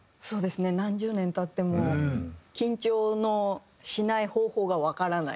何十年経っても緊張のしない方法がわからない。